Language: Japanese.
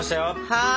はい！